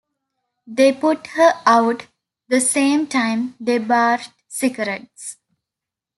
They put her out the same time they barred cigarettes.